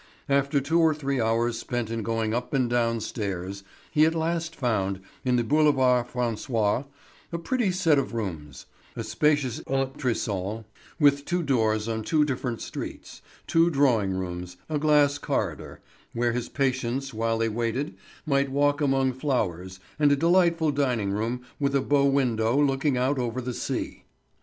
After two or three hours spent in going up and down stairs, he at last found, in the Boulevard François, a pretty set of rooms; a spacious entresol with two doors on two different streets, two drawing rooms, a glass corridor, where his patients while they waited, might walk among flowers, and a delightful dining room with a bow window looking out over the sea.